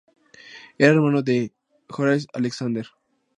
Era hermano de Horace Alexander.